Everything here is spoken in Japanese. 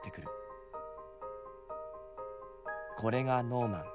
これがノーマン。